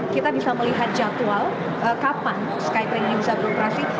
kita bisa melihat jadwal kapan skytraining ini bisa beroperasi